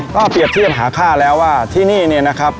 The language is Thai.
ก็เปรียบเทียบหาค่าแล้วว่าที่นี่เนี่ยนะครับ